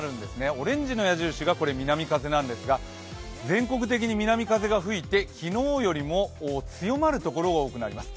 オレンジの矢印が南風なんですが、全国的に南風が吹いて昨日よりも強まるところが多くなります。